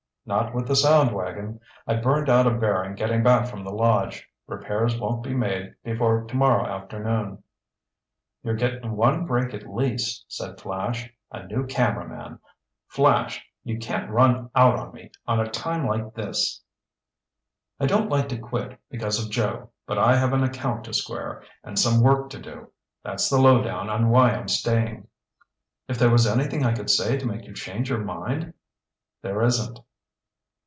"Not with the sound wagon. I burned out a bearing getting back from the lodge. Repairs won't be made before tomorrow afternoon." "You're getting one break at least," said Flash. "A new cameraman. I'm quitting." "Flash, you can't run out on me at a time like this!" "I don't like to quit because of Joe. But I have an account to square and some work to do. That's the low down on why I'm staying." "If there was anything I could say to make you change your mind—" "There isn't."